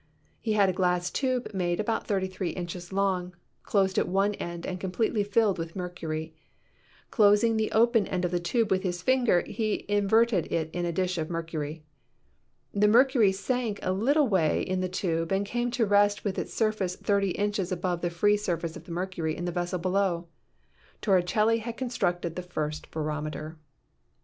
He had a glass tube made about 33 inches long, closed at one end and completely filled with mercury. Closing the open end of the tube with his finger, he in verted it in a dish of mercury. The mercury sank a little way in the tube and came to rest with its surface 30 inches above the free surface of the mercury in the vessel below. Torricelli had constructed the first barometer.